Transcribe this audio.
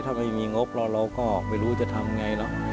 ถ้าไม่มีงบเราเราก็ไม่รู้จะทำอย่างไรนะ